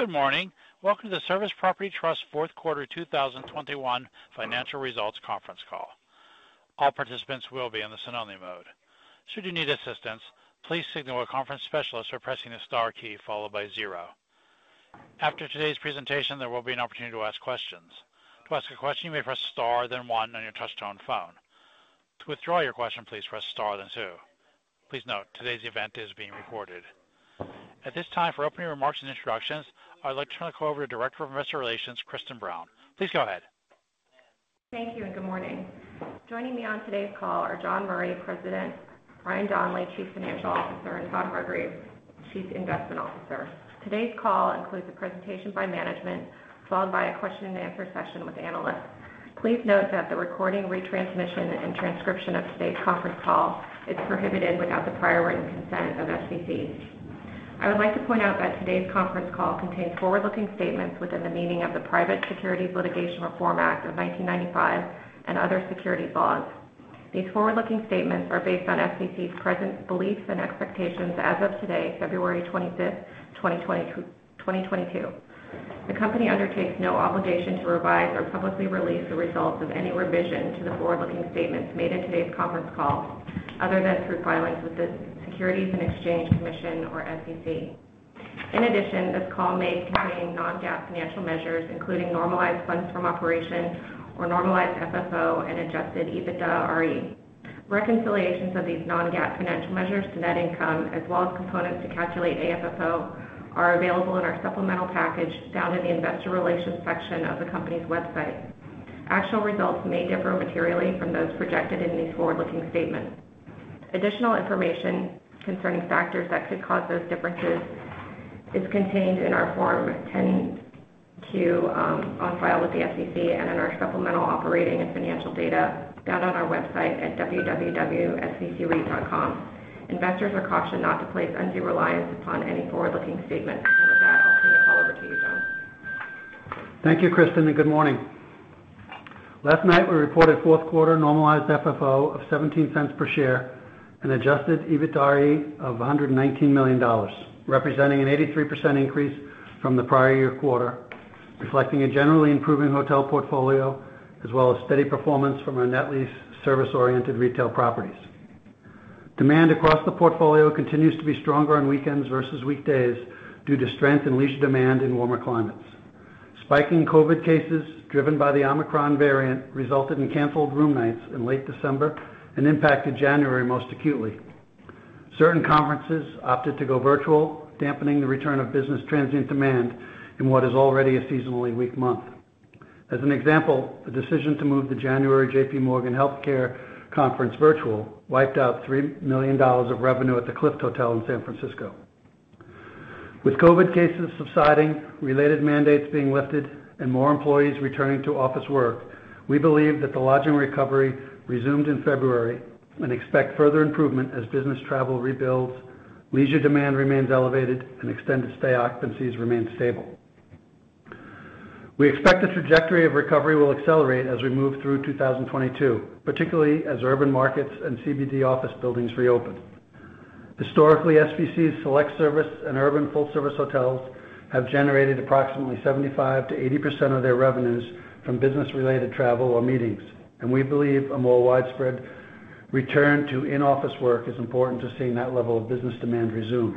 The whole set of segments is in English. Good morning. Welcome to Service Properties Trust fourth quarter 2021 financial results conference call. All participants will be in the listen-only mode. Should you need assistance, please signal a conference specialist by pressing the star key followed by zero. After today's presentation, there will be an opportunity to ask questions. To ask a question, you may press star then one on your touchtone phone. To withdraw your question, please press star then two. Please note, today's event is being recorded. At this time, for opening remarks and introductions, I'd like to turn the call over to Director of Investor Relations, Kristin Brown. Please go ahead. Thank you and good morning. Joining me on today's call are John Murray, President, Brian Donley, Chief Financial Officer, and Todd Hargreaves, Chief Investment Officer. Today's call includes a presentation by management, followed by a question-and-answer session with analysts. Please note that the recording, retransmission, and transcription of today's conference call is prohibited without the prior written consent of SVC. I would like to point out that today's conference call contains forward-looking statements within the meaning of the Private Securities Litigation Reform Act of 1995 and other securities laws. These forward-looking statements are based on SVC's present beliefs and expectations as of today, February 25, 2022. The company undertakes no obligation to revise or publicly release the results of any revision to the forward-looking statements made in today's conference call, other than through filings with the Securities and Exchange Commission or SEC. In addition, this call may contain non-GAAP financial measures, including normalized funds from operations or normalized FFO and Adjusted EBITDAre. Reconciliations of these non-GAAP financial measures to net income, as well as components to calculate AFFO, are available in our supplemental package found in the investor relations section of the company's website. Actual results may differ materially from those projected in these forward-looking statements. Additional information concerning factors that could cause those differences is contained in our Form 10-Q on file with the SEC and in our supplemental operating and financial data found on our website at svcreit.com. Investors are cautioned not to place undue reliance upon any forward-looking statements. With that, I'll turn the call over to you, John. Thank you, Kristin, and good morning. Last night, we reported fourth quarter normalized FFO of $0.17 per share and Adjusted EBITDAre of $119 million, representing an 83% increase from the prior year quarter, reflecting a generally improving hotel portfolio as well as steady performance from our net lease service-oriented retail properties. Demand across the portfolio continues to be stronger on weekends versus weekdays due to strength in leisure demand in warmer climates. Spiking COVID cases, driven by the Omicron variant, resulted in canceled room nights in late December and impacted January most acutely. Certain conferences opted to go virtual, dampening the return of business transient demand in what is already a seasonally weak month. As an example, the decision to move the January JPMorgan Healthcare Conference virtual wiped out $3 million of revenue at The Clift hotel in San Francisco. With COVID cases subsiding, related mandates being lifted, and more employees returning to office work, we believe that the lodging recovery resumed in February and expect further improvement as business travel rebuilds, leisure demand remains elevated, and extended stay occupancies remain stable. We expect the trajectory of recovery will accelerate as we move through 2022, particularly as urban markets and CBD office buildings reopen. Historically, SVC's select service and urban full-service hotels have generated approximately 75%-80% of their revenues from business-related travel or meetings, and we believe a more widespread return to in-office work is important to seeing that level of business demand resume.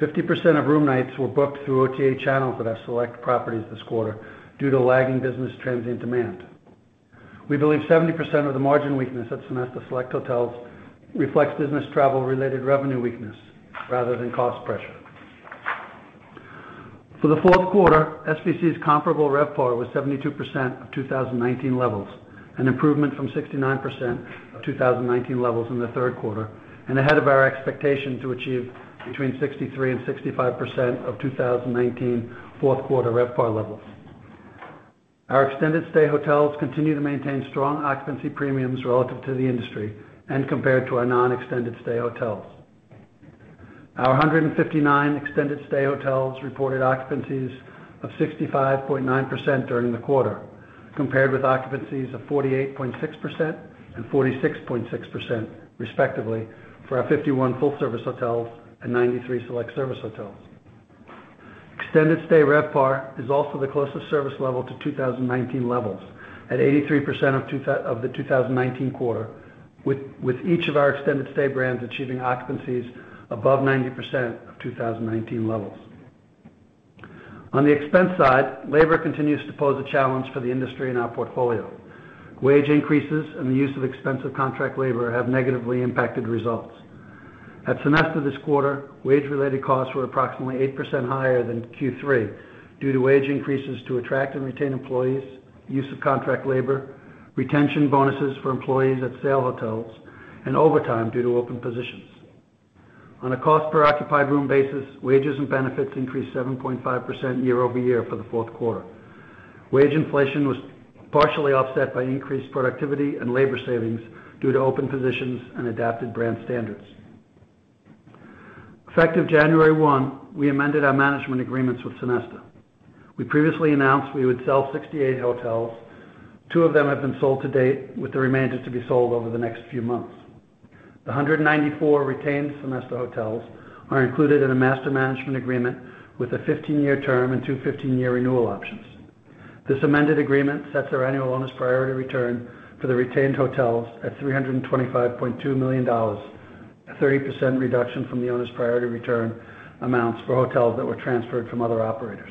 50% of room nights were booked through OTA channels at our select properties this quarter due to lagging business transient demand. We believe 70% of the margin weakness at Sonesta Select hotels reflects business travel-related revenue weakness rather than cost pressure. For the fourth quarter, SVC's comparable RevPAR was 72% of 2019 levels, an improvement from 69% of 2019 levels in the third quarter, and ahead of our expectation to achieve between 63% and 65% of 2019 fourth quarter RevPAR levels. Our extended stay hotels continue to maintain strong occupancy premiums relative to the industry and compared to our non-extended stay hotels. Our 159 extended stay hotels reported occupancies of 65.9% during the quarter, compared with occupancies of 48.6% and 46.6%, respectively, for our 51 full service hotels and 93 select service hotels. Extended stay RevPAR is also the closest service level to 2019 levels at 83% of the 2019 quarter, with each of our extended stay brands achieving occupancies above 90% of 2019 levels. On the expense side, labor continues to pose a challenge for the industry and our portfolio. Wage increases and the use of expensive contract labor have negatively impacted results. At Sonesta this quarter, wage-related costs were approximately 8% higher than Q3 due to wage increases to attract and retain employees, use of contract labor, retention bonuses for employees at sale hotels, and overtime due to open positions. On a cost per occupied room basis, wages and benefits increased 7.5% year-over-year for the fourth quarter. Wage inflation was partially offset by increased productivity and labor savings due to open positions and adapted brand standards. Effective January 1, we amended our management agreements with Sonesta. We previously announced we would sell 68 hotels. Two of them have been sold to date, with the remainder to be sold over the next few months. The 194 retained Sonesta hotels are included in a master management agreement with a 15-year term and two 15-year renewal options. This amended agreement sets our annual owner's priority return for the retained hotels at $325.2 million, a 30% reduction from the owner's priority return amounts for hotels that were transferred from other operators.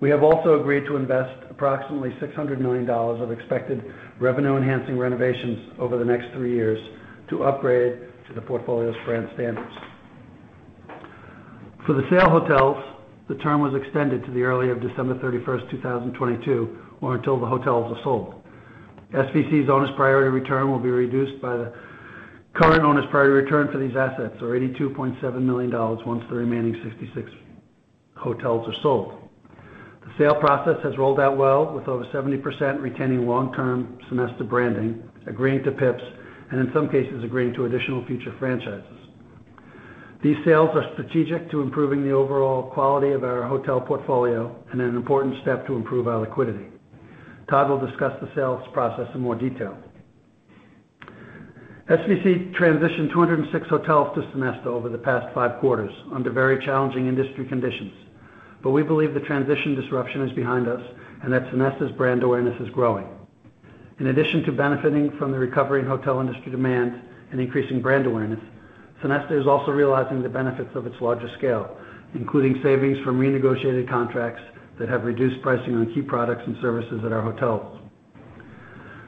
We have also agreed to invest approximately $600 million of expected revenue-enhancing renovations over the next three years to upgrade to the portfolio's brand standards. For the sale hotels, the term was extended to the earlier of December 31, 2022, or until the hotels are sold. SVC's owner's priority return will be reduced by the current owner's priority return for these assets, or $82.7 million, once the remaining 66 hotels are sold. The sale process has rolled out well, with over 70% retaining long-term Sonesta branding, agreeing to PIPs, and in some cases, agreeing to additional future franchises. These sales are strategic to improving the overall quality of our hotel portfolio and an important step to improve our liquidity. Todd will discuss the sales process in more detail. SVC transitioned 206 hotels to Sonesta over the past five quarters under very challenging industry conditions. We believe the transition disruption is behind us and that Sonesta's brand awareness is growing. In addition to benefiting from the recovery in hotel industry demand and increasing brand awareness, Sonesta is also realizing the benefits of its larger scale, including savings from renegotiated contracts that have reduced pricing on key products and services at our hotels.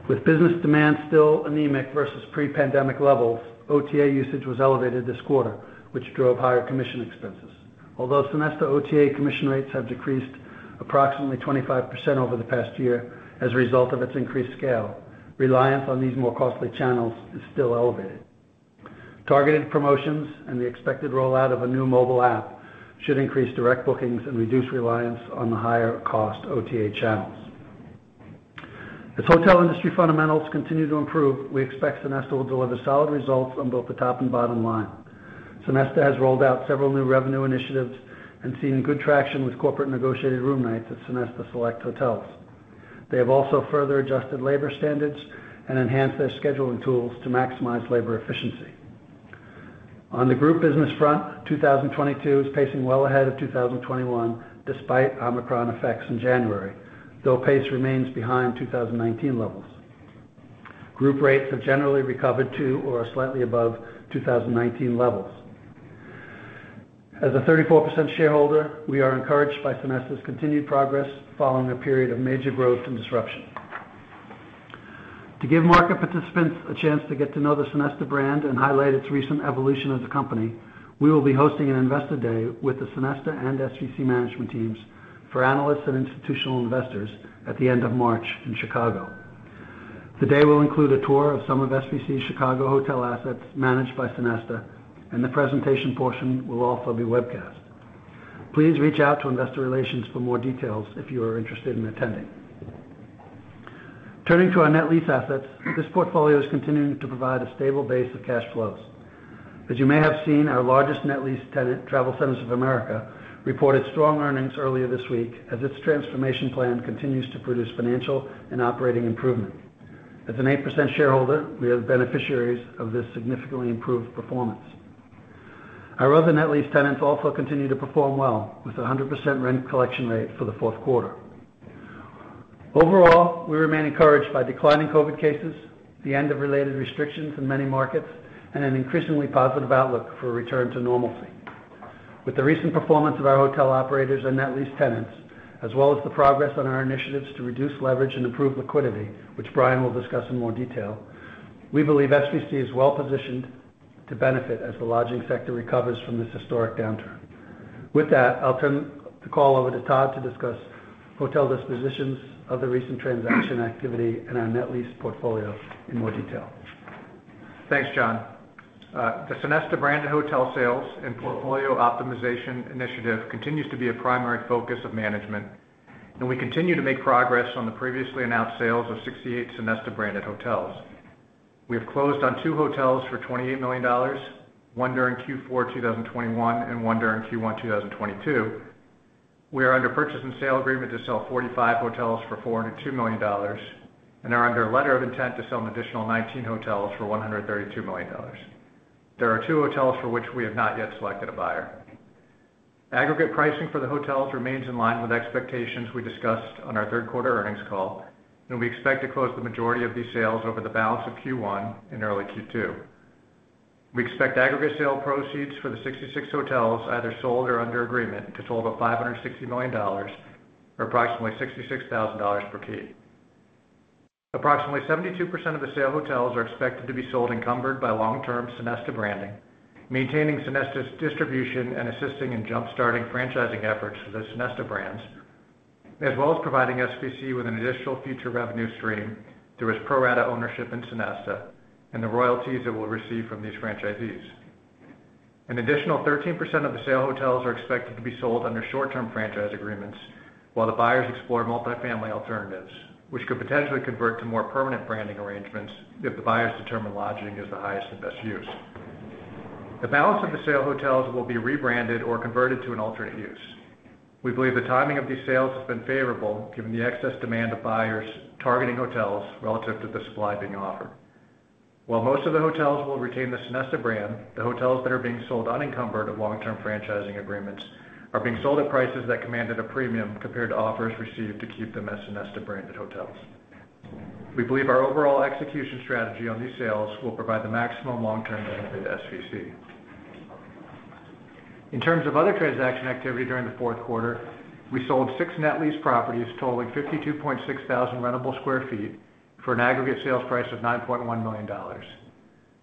With business demand still anemic versus pre-pandemic levels, OTA usage was elevated this quarter, which drove higher commission expenses. Although Sonesta OTA commission rates have decreased approximately 25% over the past year as a result of its increased scale, reliance on these more costly channels is still elevated. Targeted promotions and the expected rollout of a new mobile app should increase direct bookings and reduce reliance on the higher cost OTA channels. As hotel industry fundamentals continue to improve, we expect Sonesta will deliver solid results on both the top and bottom line. Sonesta has rolled out several new revenue initiatives and seen good traction with corporate negotiated room nights at Sonesta Select hotels. They have also further adjusted labor standards and enhanced their scheduling tools to maximize labor efficiency. On the group business front, 2022 is pacing well ahead of 2021 despite Omicron effects in January, though pace remains behind 2019 levels. Group rates have generally recovered to or are slightly above 2019 levels. As a 34% shareholder, we are encouraged by Sonesta's continued progress following a period of major growth and disruption. To give market participants a chance to get to know the Sonesta brand and highlight its recent evolution of the company, we will be hosting an investor day with the Sonesta and SVC management teams for analysts and institutional investors at the end of March in Chicago. The day will include a tour of some of SVC's Chicago hotel assets managed by Sonesta, and the presentation portion will also be webcast. Please reach out to investor relations for more details if you are interested in attending. Turning to our net lease assets, this portfolio is continuing to provide a stable base of cash flows. As you may have seen, our largest net lease tenant, TravelCenters of America, reported strong earnings earlier this week as its transformation plan continues to produce financial and operating improvement. As an 8% shareholder, we are the beneficiaries of this significantly improved performance. Our other net lease tenants also continue to perform well, with 100% rent collection rate for the fourth quarter. Overall, we remain encouraged by declining COVID cases, the end of related restrictions in many markets, and an increasingly positive outlook for a return to normalcy. With the recent performance of our hotel operators and net lease tenants, as well as the progress on our initiatives to reduce leverage and improve liquidity, which Brian will discuss in more detail, we believe SVC is well-positioned to benefit as the lodging sector recovers from this historic downturn. With that, I'll turn the call over to Todd to discuss hotel dispositions of the recent transaction activity in our net lease portfolio in more detail. Thanks, John. The Sonesta brand hotel sales and portfolio optimization initiative continues to be a primary focus of management, and we continue to make progress on the previously announced sales of 68 Sonesta branded hotels. We have closed on two hotels for $28 million, one during Q4 2021, and one during Q1 2022. We are under purchase and sale agreement to sell 45 hotels for $402 million, and are under a letter of intent to sell an additional 19 hotels for $132 million. There are 2 hotels for which we have not yet selected a buyer. Aggregate pricing for the hotels remains in line with expectations we discussed on our third quarter earnings call, and we expect to close the majority of these sales over the balance of Q1 and early Q2. We expect aggregate sale proceeds for the 66 hotels either sold or under agreement to total $560 million, or approximately $66,000 per key. Approximately 72% of the sale hotels are expected to be sold encumbered by long-term Sonesta branding, maintaining Sonesta's distribution and assisting in jumpstarting franchising efforts for the Sonesta brands, as well as providing SVC with an additional future revenue stream through its pro rata ownership in Sonesta and the royalties it will receive from these franchisees. An additional 13% of the sale hotels are expected to be sold under short-term franchise agreements while the buyers explore multifamily alternatives, which could potentially convert to more permanent branding arrangements if the buyers determine lodging is the highest and best use. The balance of the sale hotels will be rebranded or converted to an alternate use. We believe the timing of these sales has been favorable given the excess demand of buyers targeting hotels relative to the supply being offered. While most of the hotels will retain the Sonesta brand, the hotels that are being sold unencumbered of long-term franchising agreements are being sold at prices that commanded a premium compared to offers received to keep them as Sonesta-branded hotels. We believe our overall execution strategy on these sales will provide the maximum long-term benefit to SVC. In terms of other transaction activity during the fourth quarter, we sold six net lease properties totaling 52,600 sq ft rentable for an aggregate sales price of $9.1 million.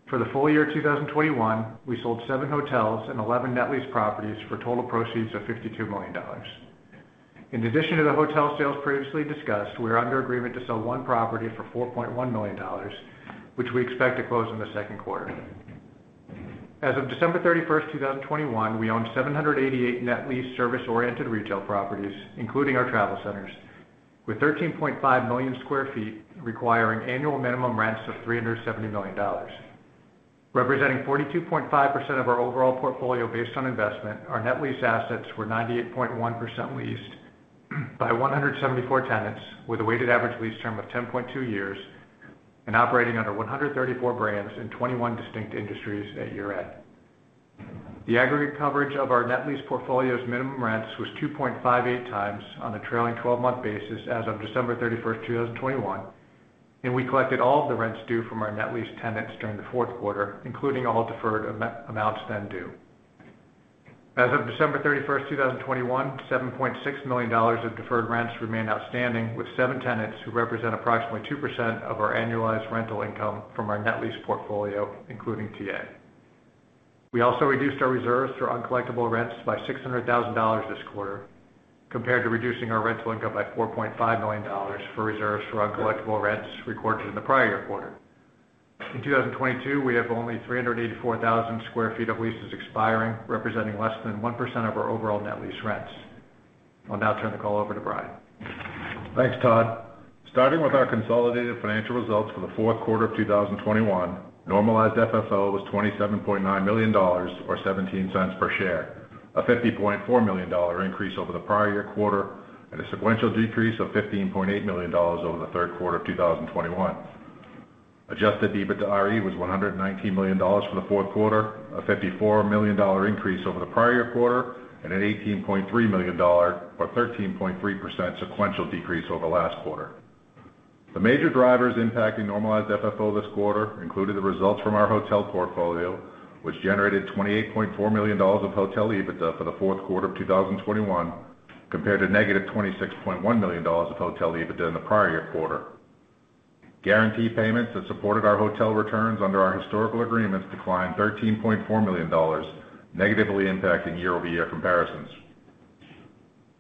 For the full year 2021, we sold seven hotels and 11 net lease properties for total proceeds of $52 million. In addition to the hotel sales previously discussed, we are under agreement to sell one property for $4.1 million, which we expect to close in the second quarter. As of December 31, 2021, we owned 788 net lease service-oriented retail properties, including our travel centers, with 13.5 million sq ft requiring annual minimum rents of $370 million. Representing 42.5% of our overall portfolio based on investment, our net lease assets were 98.1% leased by 174 tenants with a weighted average lease term of 10.2 years and operating under 134 brands in 21 distinct industries at year-end. The aggregate coverage of our net lease portfolio's minimum rents was 2.58x on a trailing 12-month basis as of December 31, 2021, and we collected all of the rents due from our net lease tenants during the fourth quarter, including all deferred amounts then due. As of December 31, 2021, $7.6 million of deferred rents remain outstanding, with seven tenants who represent approximately 2% of our annualized rental income from our net lease portfolio, including TA. We also reduced our reserves for uncollectible rents by $600,000 this quarter compared to reducing our rental income by $4.5 million for reserves for uncollectible rents recorded in the prior quarter. In 2022, we have only 384,000 sq ft of leases expiring, representing less than 1% of our overall net lease rents. I'll now turn the call over to Brian. Thanks, Todd. Starting with our consolidated financial results for the fourth quarter of 2021, normalized FFO was $27.9 million or $0.17 per share, a $50.4 million increase over the prior year quarter and a sequential decrease of $15.8 million over the third quarter of 2021. Adjusted EBITDAre was $119 million for the fourth quarter, a $54 million increase over the prior quarter, and an $18.3 million or 13.3% sequential decrease over last quarter. The major drivers impacting normalized FFO this quarter included the results from our hotel portfolio, which generated $28.4 million of hotel EBITDA for the fourth quarter of 2021 compared to -$26.1 million of hotel EBITDA in the prior year quarter. Guarantee payments that supported our hotel returns under our historical agreements declined $13.4 million, negatively impacting year-over-year comparisons.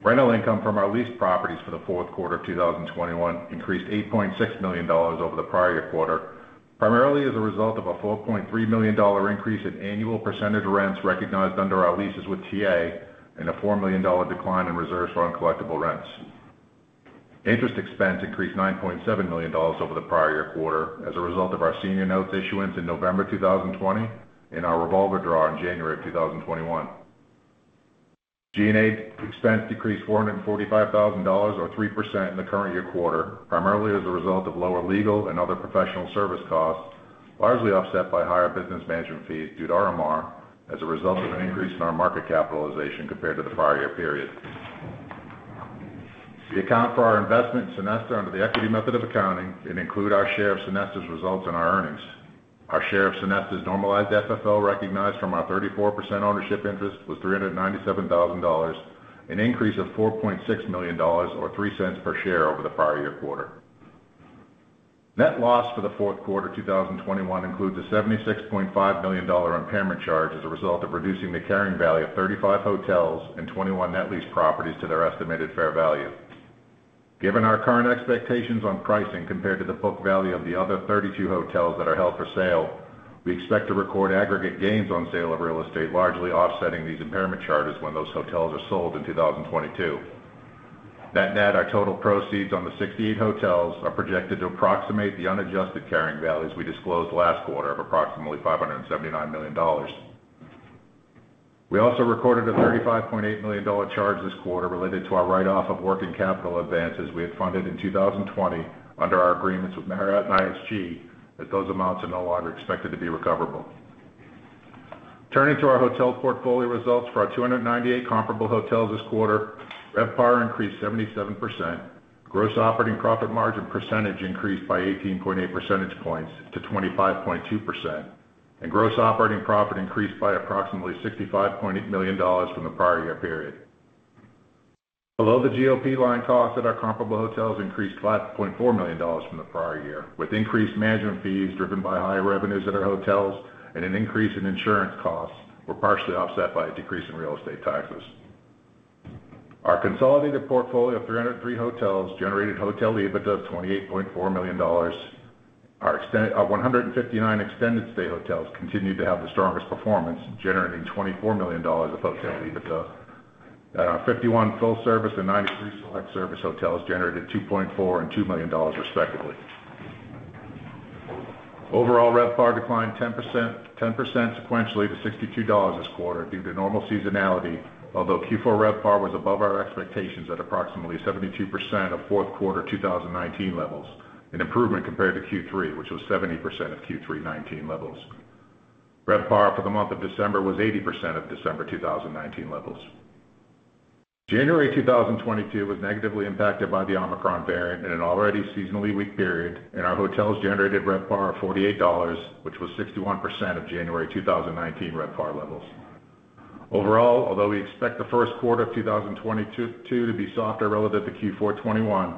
Rental income from our leased properties for the fourth quarter of 2021 increased $8.6 million over the prior year quarter, primarily as a result of a $4.3 million increase in annual percentage rents recognized under our leases with TA and a $4 million decline in reserves for uncollectible rents. Interest expense increased $9.7 million over the prior year quarter as a result of our senior notes issuance in November 2020 and our revolver draw in January of 2021. G&A expense decreased $445 thousand or 3% in the current year quarter, primarily as a result of lower legal and other professional service costs, largely offset by higher business management fees due to RMR as a result of an increase in our market capitalization compared to the prior year period. We account for our investment in Sonesta under the equity method of accounting and include our share of Sonesta's results in our earnings. Our share of Sonesta's normalized FFO recognized from our 34% ownership interest was $397 thousand, an increase of $4.6 million or $0.03 per share over the prior year quarter. Net loss for the fourth quarter 2021 includes a $76.5 million impairment charge as a result of reducing the carrying value of 35 hotels and 21 net lease properties to their estimated fair value. Given our current expectations on pricing compared to the book value of the other 32 hotels that are held for sale, we expect to record aggregate gains on sale of real estate, largely offsetting these impairment charges when those hotels are sold in 2022. Net-net, our total proceeds on the 68 hotels are projected to approximate the unadjusted carrying values we disclosed last quarter of approximately $579 million. We also recorded a $35.8 million charge this quarter related to our write-off of working capital advances we had funded in 2020 under our agreements with Marriott and IHG, as those amounts are no longer expected to be recoverable. Turning to our hotel portfolio results for our 298 comparable hotels this quarter, RevPAR increased 77%, gross operating profit margin percentage increased by 18.8 percentage points to 25.2%, and gross operating profit increased by approximately $65.8 million from the prior year period. Below the GOP line, costs at our comparable hotels increased $5.4 million from the prior year, with increased management fees driven by higher revenues at our hotels and an increase in insurance costs were partially offset by a decrease in real estate taxes. Our consolidated portfolio of 303 hotels generated hotel EBITDA of $28.4 million. Our 159 extended stay hotels continued to have the strongest performance, generating $24 million of hotel EBITDA. Our 51 full service and 93 select service hotels generated $2.4 million and $2 million, respectively. Overall, RevPAR declined 10% sequentially to $62 this quarter due to normal seasonality. Although Q4 RevPAR was above our expectations at approximately 72% of fourth quarter 2019 levels, an improvement compared to Q3, which was 70% of Q3 2019 levels. RevPAR for the month of December was 80% of December 2019 levels. January 2022 was negatively impacted by the Omicron variant in an already seasonally weak period, and our hotels generated RevPAR of $48, which was 61% of January 2019 RevPAR levels. Overall, although we expect the first quarter of 2022 to be softer relative to Q4 2021,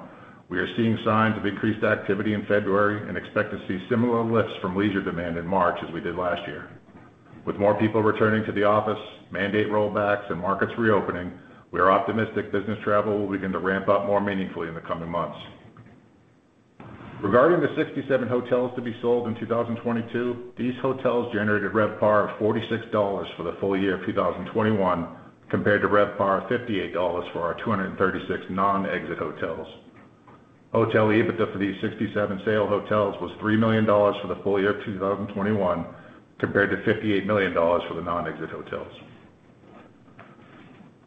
we are seeing signs of increased activity in February and expect to see similar lifts from leisure demand in March as we did last year. With more people returning to the office, mandate rollbacks, and markets reopening, we are optimistic business travel will begin to ramp up more meaningfully in the coming months. Regarding the 67 hotels to be sold in 2022, these hotels generated RevPAR of $46 for the full year of 2021, compared to RevPAR of $58 for our 236 non-exit hotels. Hotel EBITDA for these 67 sale hotels was $3 million for the full year of 2021, compared to $58 million for the non-exit hotels.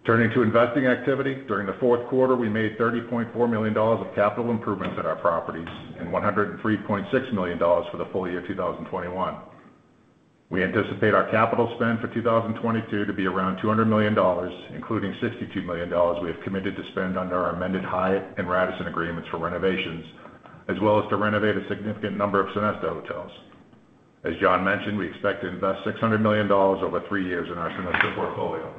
Turning to investing activity. During the fourth quarter, we made $30.4 million of capital improvements at our properties and $103.6 million for the full year of 2021. We anticipate our capital spend for 2022 to be around $200 million, including $62 million we have committed to spend under our amended Hyatt and Radisson agreements for renovations, as well as to renovate a significant number of Sonesta hotels. As John mentioned, we expect to invest $600 million over three years in our Sonesta portfolio.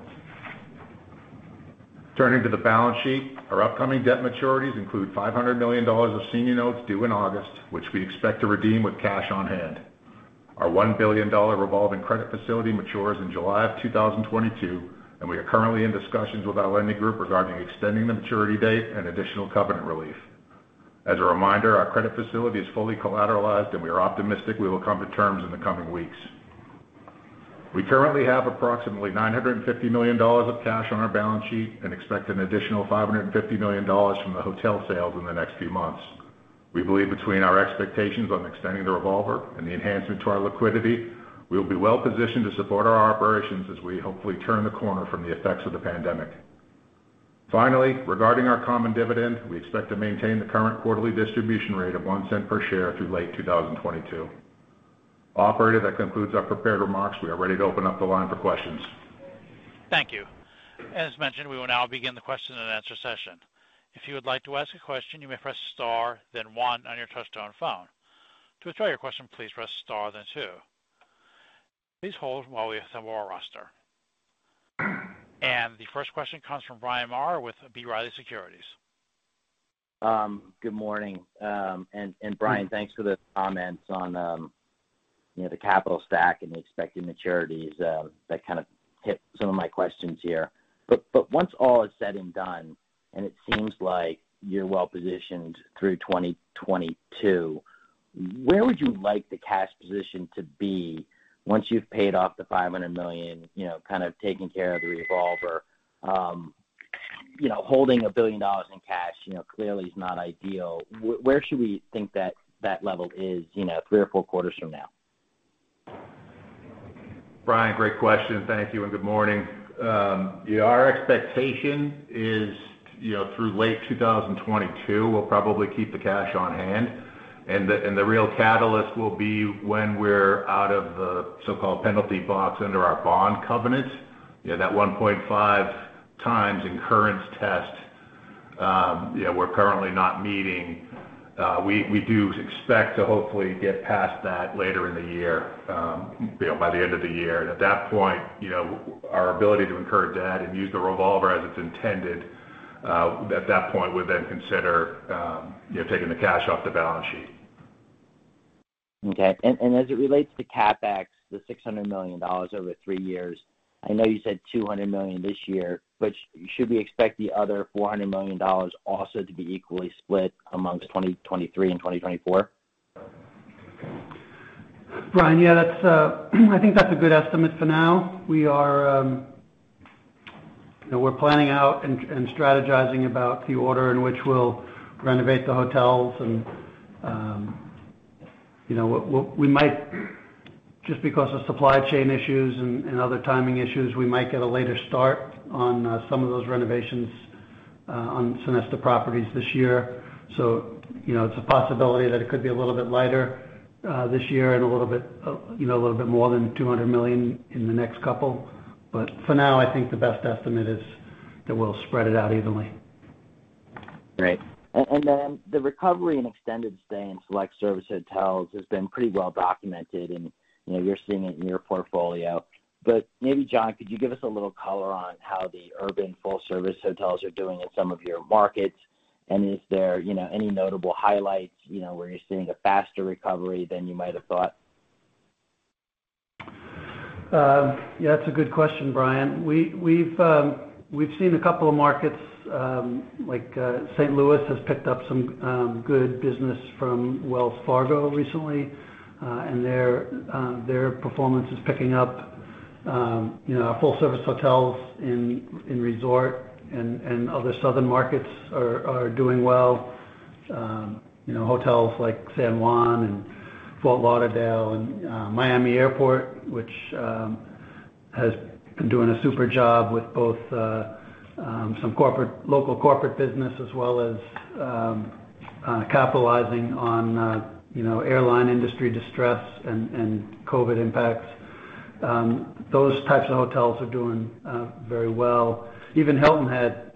Turning to the balance sheet. Our upcoming debt maturities include $500 million of senior notes due in August, which we expect to redeem with cash on hand. Our $1 billion revolving credit facility matures in July 2022, and we are currently in discussions with our lending group regarding extending the maturity date and additional covenant relief. As a reminder, our credit facility is fully collateralized, and we are optimistic we will come to terms in the coming weeks. We currently have approximately $950 million of cash on our balance sheet and expect an additional $550 million from the hotel sales in the next few months. We believe between our expectations on extending the revolver and the enhancement to our liquidity, we'll be well positioned to support our operations as we hopefully turn the corner from the effects of the pandemic. Finally, regarding our common dividend, we expect to maintain the current quarterly distribution rate of $0.01 per share through late 2022. Operator, that concludes our prepared remarks. We are ready to open up the line for questions. Thank you. As mentioned, we will now begin the question and answer session. If you would like to ask a question, you may press star then one on your touchtone phone. To withdraw your question, please press star then two. Please hold while we assemble our roster. The first question comes from Bryan Maher with B. Riley Securities. Good morning. Brian, thanks for the comments on, you know, the capital stack and the expected maturities. That kind of hit some of my questions here. Once all is said and done, and it seems like you're well positioned through 2022, where would you like the cash position to be once you've paid off the $500 million, you know, kind of taking care of the revolver? You know, holding $1 billion in cash, you know, clearly is not ideal. Where should we think that level is, you know, three or four quarters from now? Bryan, great question. Thank you and good morning. Our expectation is, you know, through late 2022, we'll probably keep the cash on hand. The real catalyst will be when we're out of the so-called penalty box under our bond covenants. You know, that 1.5x incurrence test, you know, we're currently not meeting. We do expect to hopefully get past that later in the year, you know, by the end of the year. At that point, you know, our ability to incur debt and use the revolver as it's intended, at that point we'll then consider, you know, taking the cash off the balance sheet. Okay. As it relates to CapEx, the $600 million over three years, I know you said $200 million this year, but should we expect the other $400 million also to be equally split amongst 2023 and 2024? Brian, yeah, that's, I think that's a good estimate for now. We are, you know, we're planning out and strategizing about the order in which we'll renovate the hotels. you know, we might, just because of supply chain issues and other timing issues, we might get a later start on, some of those renovations, on Sonesta properties this year. You know, it's a possibility that it could be a little bit lighter, this year and a little bit, you know, a little bit more than $200 million in the next couple. for now, I think the best estimate is that we'll spread it out evenly. Great. Then the recovery in extended stay and select service hotels has been pretty well documented, and, you know, you're seeing it in your portfolio. Maybe, John, could you give us a little color on how the urban full-service hotels are doing in some of your markets? Is there, you know, any notable highlights, you know, where you're seeing a faster recovery than you might have thought? Yeah, that's a good question, Bryan. We've seen a couple of markets, like, St. Louis has picked up some good business from Wells Fargo recently. Their performance is picking up. You know, our full service hotels in resort and other southern markets are doing well. You know, hotels like San Juan and Fort Lauderdale and Miami Airport, which has been doing a super job with both some local corporate business, as well as capitalizing on you know, airline industry distress and COVID impacts. Those types of hotels are doing very well. Even Hilton Head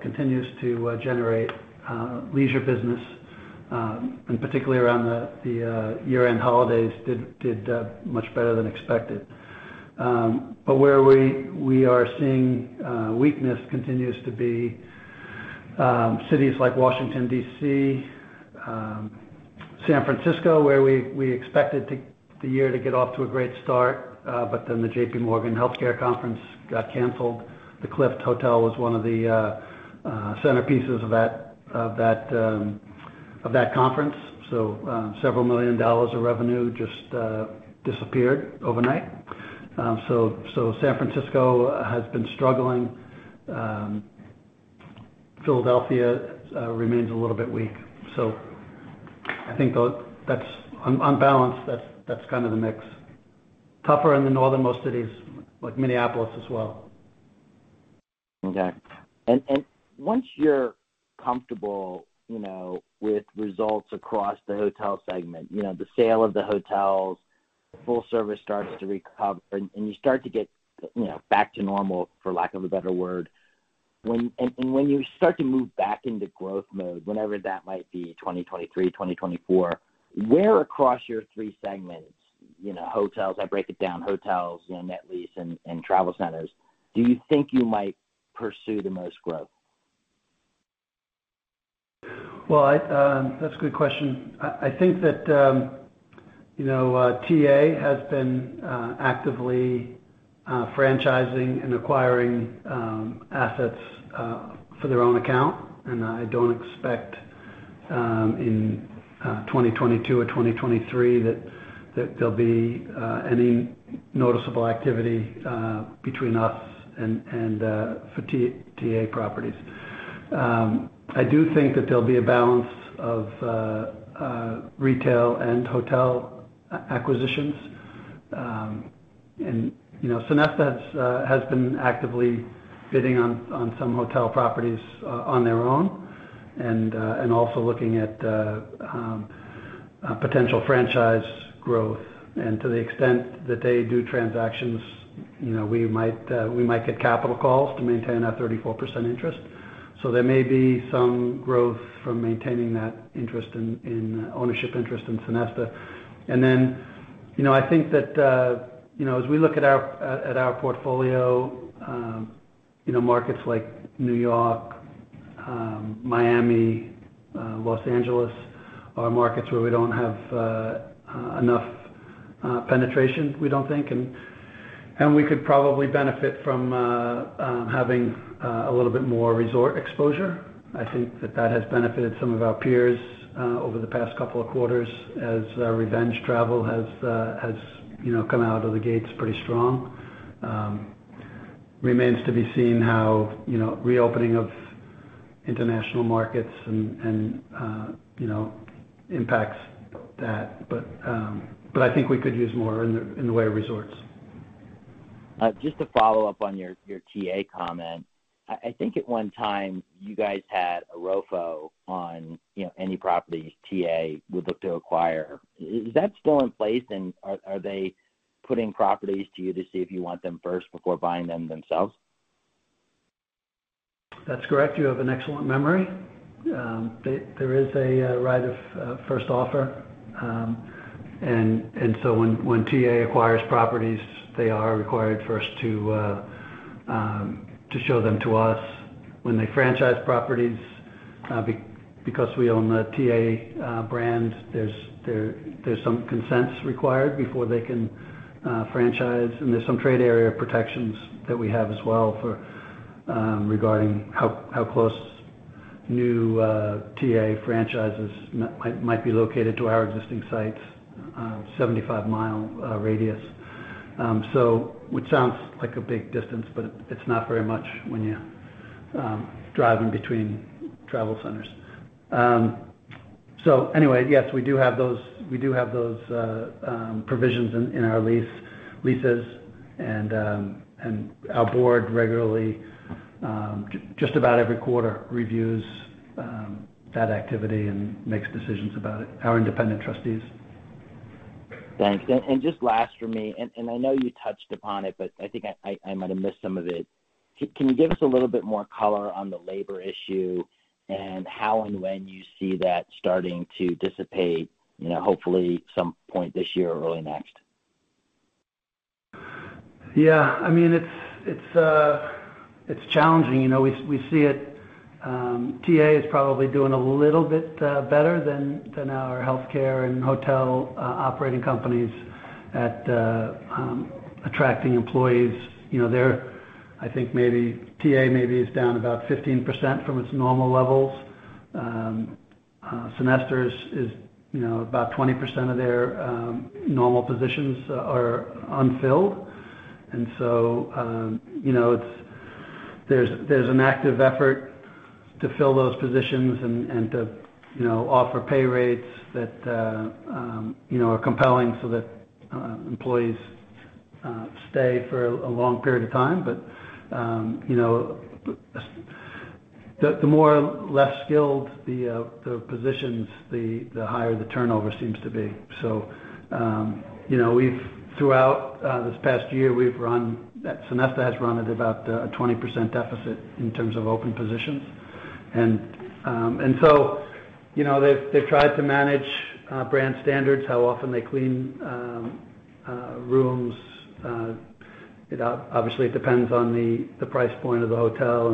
continues to generate leisure business, and particularly around the year-end holidays did much better than expected. Where we are seeing weakness continues to be cities like Washington, D.C., San Francisco, where we expected the year to get off to a great start, but then the JPMorgan Healthcare Conference got canceled. The Clift Hotel was one of the centerpieces of that conference. San Francisco has been struggling. Philadelphia remains a little bit weak. I think that's on balance, that's kind of the mix. Tougher in the northernmost cities like Minneapolis as well. Okay. Once you're comfortable, you know, with results across the hotel segment, you know, the full-service hotels start to recover, and you start to get, you know, back to normal, for lack of a better word. When you start to move back into growth mode, whenever that might be, 2023, 2024, across your three segments, you know, hotels, I break it down, hotels, net lease, and travel centers, do you think you might pursue the most growth? Well, that's a good question. I think that, you know, TA has been actively franchising and acquiring assets for their own account, and I don't expect in 2022 or 2023 that there'll be any noticeable activity between us and for TA properties. I do think that there'll be a balance of retail and hotel acquisitions. You know, Sonesta has been actively bidding on some hotel properties on their own and also looking at potential franchise growth. To the extent that they do transactions, you know, we might get capital calls to maintain our 34% interest. There may be some growth from maintaining that interest in ownership interest in Sonesta. You know, I think that, you know, as we look at our portfolio, you know, markets like New York, Miami, Los Angeles are markets where we don't have enough penetration, we don't think. We could probably benefit from having a little bit more resort exposure. I think that has benefited some of our peers over the past couple of quarters as revenge travel has, you know, come out of the gates pretty strong. It remains to be seen how, you know, reopening of international markets and, you know, impacts that. I think we could use more in the way of resorts. Just to follow up on your TA comment. I think at one time you guys had a ROFO on, you know, any properties TA would look to acquire. Is that still in place, and are they putting properties to you to see if you want them first before buying them themselves? That's correct. You have an excellent memory. There is a right of first offer. When TA acquires properties, they are required first to show them to us. When they franchise properties, because we own the TA brand, there's some consents required before they can franchise, and there's some trade area protections that we have as well for regarding how close new TA franchises might be located to our existing sites, 75-mile radius. Which sounds like a big distance, but it's not very much when you drive in between travel centers. Anyway, yes, we do have those provisions in our leases, and our board regularly just about every quarter reviews that activity and makes decisions about it, our independent trustees. Thanks. Just last for me, and I know you touched upon it, but I think I might have missed some of it. Can you give us a little bit more color on the labor issue and how and when you see that starting to dissipate, you know, hopefully some point this year or early next? Yeah, I mean, it's challenging. You know, we see it. TA is probably doing a little bit better than our healthcare and hotel operating companies at attracting employees. You know, they're, I think TA is down about 15% from its normal levels. Sonesta is about 20% of their normal positions are unfilled. There's an active effort to fill those positions and to offer pay rates that are compelling so that employees stay for a long period of time. You know, the more less skilled the positions, the higher the turnover seems to be. You know, throughout this past year, Sonesta has run at about a 20% deficit in terms of open positions. You know, they've tried to manage brand standards, how often they clean rooms. It obviously depends on the price point of the hotel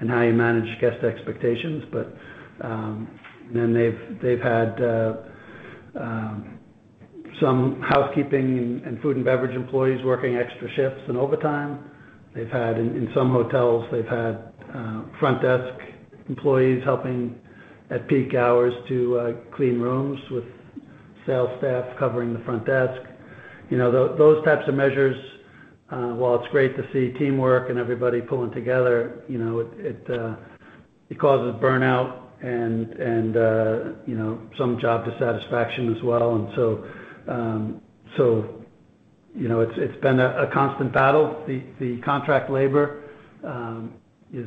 and how you manage guest expectations. They've had some housekeeping and food and beverage employees working extra shifts and overtime. They've had, in some hotels, front desk employees helping at peak hours to clean rooms with sales staff covering the front desk. You know, those types of measures, while it's great to see teamwork and everybody pulling together, you know, it causes burnout and you know, some job dissatisfaction as well. You know, it's been a constant battle. The contract labor is,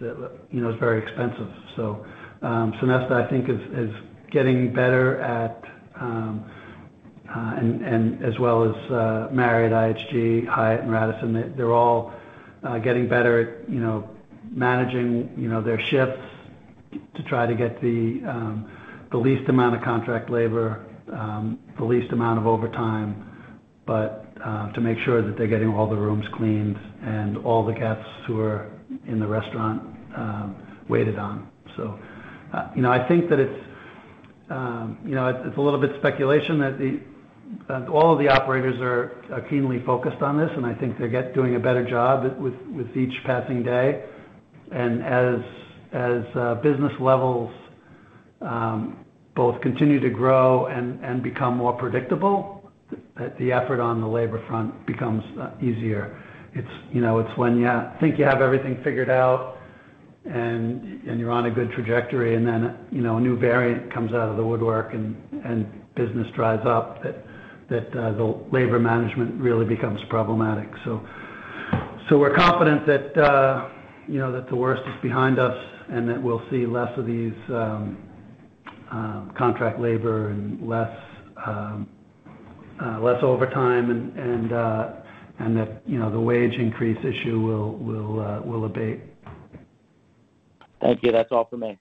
you know, very expensive. Sonesta, I think, is getting better at and as well as Marriott, IHG, Hyatt and Radisson, they're all getting better at, you know, managing, you know, their shifts to try to get the least amount of contract labor, the least amount of overtime, but to make sure that they're getting all the rooms cleaned and all the guests who are in the restaurant waited on. You know, I think that it's a little bit speculation that all of the operators are keenly focused on this, and I think they're doing a better job with each passing day. Business levels both continue to grow and become more predictable, the effort on the labor front becomes easier. It's, you know, it's when you think you have everything figured out and you're on a good trajectory and then, you know, a new variant comes out of the woodwork and business dries up, that the labor management really becomes problematic. We're confident that, you know, that the worst is behind us and that we'll see less of these contract labor and less overtime and that, you know, the wage increase issue will abate. Thank you. That's all for me.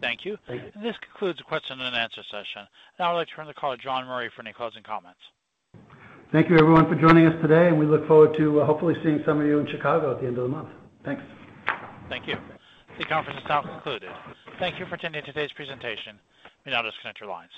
Thank you. Thank you. This concludes the question and answer session. Now I'd like to turn the call to John Murray for any closing comments. Thank you everyone for joining us today, and we look forward to hopefully seeing some of you in Chicago at the end of the month. Thanks. Thank you. The conference is now concluded. Thank you for attending today's presentation. You may now disconnect your lines.